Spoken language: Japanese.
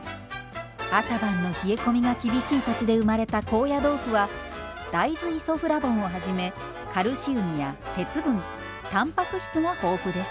朝晩の冷え込みが厳しい土地で生まれた高野豆腐は大豆イソフラボンをはじめカルシウムや鉄分たんぱく質が豊富です。